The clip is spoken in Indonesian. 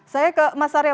saya ke mas arya